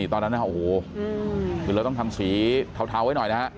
ตอนนั้นเราต้องทำสีเทาไว้หน่อยนะครับ